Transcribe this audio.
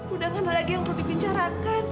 udah nggak ada lagi yang perlu dibincarkan